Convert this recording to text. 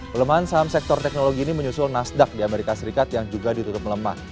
pelemahan saham sektor teknologi ini menyusul nasdaq di amerika serikat yang juga ditutup melemah